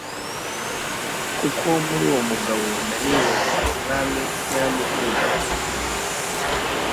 kuko muri uwo mugabo Daniyeli uwo umwami yaramukundaga